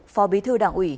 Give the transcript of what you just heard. phó bí thư đảng ủy